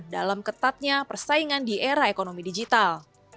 dalam ketatnya persaingan di era ekonomi digital